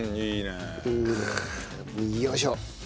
よいしょ。